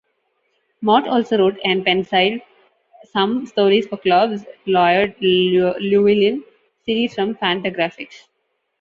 Mort also wrote and penciled some stories for Clowes' "Lloyd Llewellyn" series from Fantagraphics.